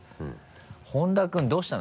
本多君どうしたの？